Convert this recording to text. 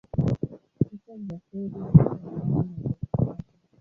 Picha za feri za zamani na za kisasa